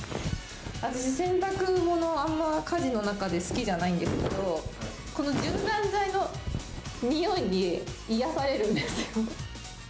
私、洗濯物、あんまり家事の中で好きじゃないんですけど、この柔軟剤の匂いに癒やされるんですよ。